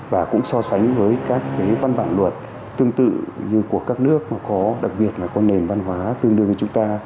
và cũng so sánh với các cái văn bản luật tương tự như của các nước mà có đặc biệt là có nền văn hóa tương đương với chúng ta